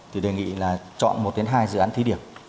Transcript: thì đề nghị là chọn một đến hai dự án thí điểm